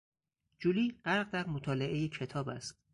جولی غرق در مطالعهی کتاب است.